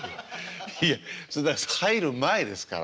いえ入る前ですから。